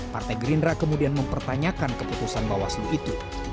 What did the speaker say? partai gerindra kemudian mempertanyakan keputusan bawaslu itu